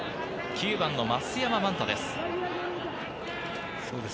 ９番の増山万太です。